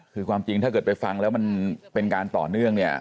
คือความจริงถ้าเกิดไปฟังแล้วมันเป็นการต่อเนื่องเนี่ย